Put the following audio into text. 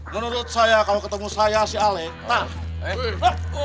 menurut saya kalau ketemu saya si kelek tah